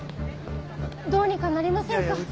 どうにかなりませんか？